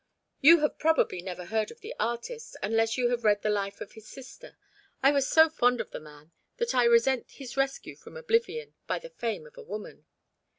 "You have probably never heard of the artist, unless you have read the life of his sister. I was so fond of the man that I resent his rescue from oblivion by the fame of a woman.